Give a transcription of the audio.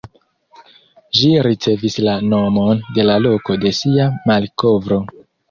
Ĝi ricevis la nomon de la loko de sia malkovro.